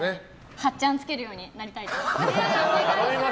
８チャンつけるようになりたいです。